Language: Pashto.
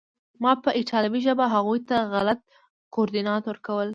ما به په ایټالوي ژبه هغوی ته غلط کوردینات ورکول